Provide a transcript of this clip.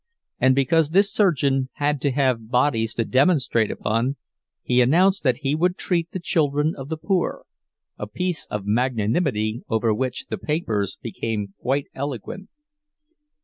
And because this surgeon had to have bodies to demonstrate upon, he announced that he would treat the children of the poor, a piece of magnanimity over which the papers became quite eloquent.